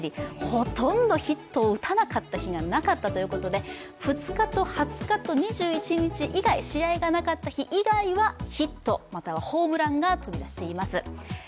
ほとんどヒットを打たなかった日がなかったということで２日と２０日と２１日以外、試合がなかった日以外はヒットまたはホームランが飛び出しています。